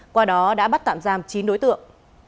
qua đó đã bắt tạm giam chín đối tượng